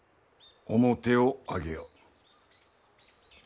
面を上げよ。